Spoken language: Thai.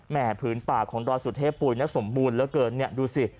ผืนป่าของดอยสุเทพปุ๋ยนะสมบูรณ์เหลือเกินเนี่ยดูสิ